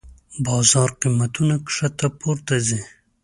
بازار قېمتونه کښته پورته ځي.